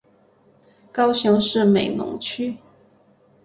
高雄市美浓区